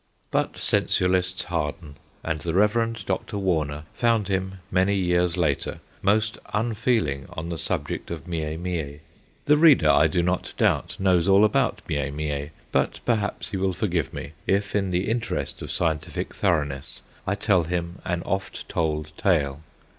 But sensualists harden, and the Rev. Dr. Warner found him, many years later, most unfeeling on the subject of Mie Mie. The 70 THE GHOSTS OF PICCADILLY reader, I do not doubt, knows all about Mie Mie, but perhaps he will forgive me if, in the interest of scientific thoroughness, I tell him an oft told tale.